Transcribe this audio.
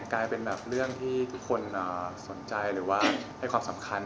กลายเป็นแบบที่ทุกคนสนใจหรือว่าแบบความสำคัญ